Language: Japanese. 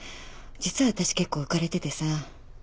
実は私結構浮かれててさ。